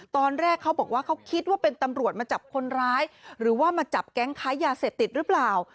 ตอนแรกเขาบอกว่าเขาคิดว่าเป็นตำรวจมาจับคนร้ายหรือว่ามาจับแก๊งค้ายาเสพติดหรือเปล่า